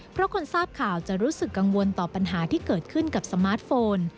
เพราะคนทราบข่าวจะรู้สึกกังวลต่อปัญหาที่เกิดขึ้นกับสมาร์ทโฟน